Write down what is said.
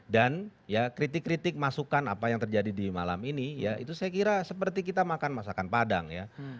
dan ya kritik kritik masukan apa yang terjadi di malam ini ya itu saya kira seperti kita makan masakan padang ya